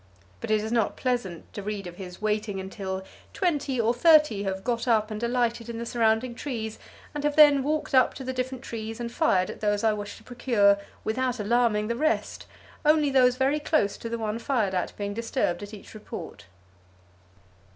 But it is not pleasant to read of his waiting until "twenty or thirty have got up and alighted in the surrounding trees, and have then walked up to the different trees and fired at those I wished to procure without alarming the rest, only those very close to the one fired at being disturbed at each report."